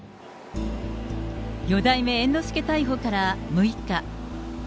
四代目猿之助逮捕から６日。